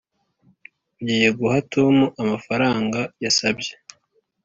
ugiye guha tom amafaranga yasabye?